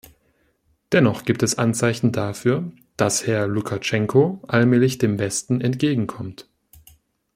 Dennoch gibt es Anzeichen dafür, dass Herr Lukaschenko allmählich dem Westen entgegenkommt.